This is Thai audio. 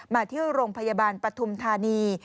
มาที่โรงพยาบาลปฐุมธานี